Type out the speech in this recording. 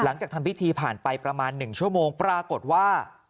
หลังจากทำพิธีผ่านไปประมาณ๑ชั่วโมงปรากฏว่า